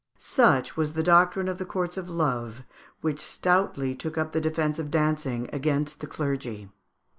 Such was the doctrine of the Courts of Love, which stoutly took up the defence of dancing against the clergy.